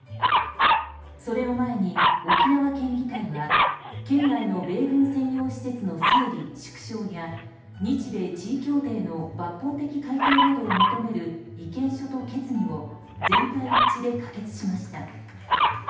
それを前に沖縄県議会は県内の米軍専用施設の整理・縮小や日米地位協定の抜本的改定などを求める意見書と決議を全会一致で可決しました。